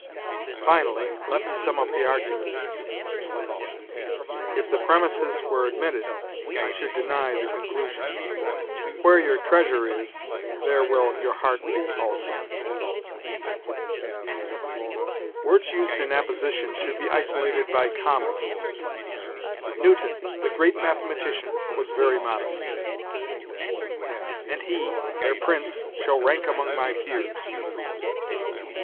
"Finally, let me sum up the argument." "If the premises were admitted, I should deny the conclusion." "Where your treasure is, there will your heart be also." Words used in apposition should be isolated by commas. "Newton, the great mathematician, was very modest." "And he, their prince, shall rank among my peers."